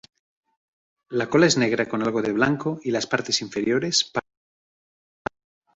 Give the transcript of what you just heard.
La cola es negra con algo de blanco y las partes inferiores pardo pálidos.